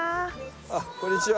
あっこんにちは。